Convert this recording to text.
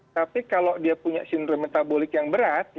tapi kalau dia punya sindrom metabolik yang berat